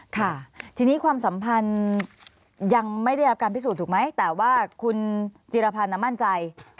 ค่ะทีนี้ความสัมพันธ์ยังไม่ได้รับการพิสูจน์ถูกไหมแต่ว่าคุณจิรพันธ์มั่นใจ